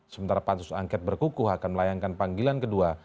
sementara pansus angket berkukuh akan melayangkan panggilan kedua